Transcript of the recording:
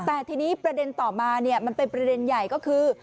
แต่ทีนี้ประเด็นต่อมามันเป็นประเด็นใหญ่ก็คือ